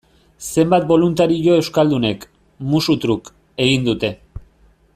Zenbait boluntario euskaldunek, musu truk, egin dute.